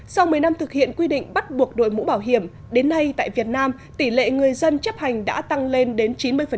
sau một mươi năm thực hiện quy định bắt buộc đội mũ bảo hiểm đến nay tại việt nam tỷ lệ người dân chấp hành đã tăng lên đến chín mươi